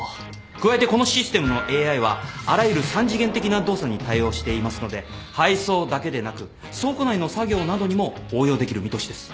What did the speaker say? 加えてこのシステムのＡＩはあらゆる三次元的な動作に対応していますので配送だけでなく倉庫内の作業などにも応用できる見通しです。